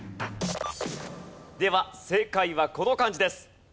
では正解はこの漢字です。